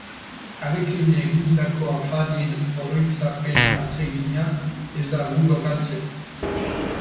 Harekin egindako afarien oroitzapen atsegina ez da agudo galtzen.